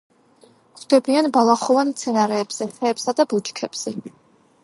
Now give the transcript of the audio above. გვხვდებიან ბალახოვან მცენარეებზე, ხეებსა და ბუჩქებზე.